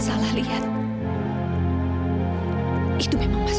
saya kasih hati lupa percaya lo mas